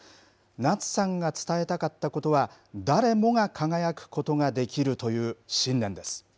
夏さんが伝えたかったことは、誰もが輝くことができるという信念です。